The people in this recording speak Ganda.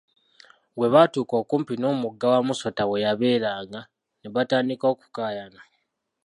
Bwe baatuuka okumpi n'omugga Wamusota we yabeeranga, ne batandika okukaayana .